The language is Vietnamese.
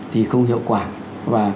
thì không hiệu quả và